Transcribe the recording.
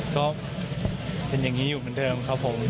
ก็เป็นอย่างนี้อยู่เหมือนเดิมครับผม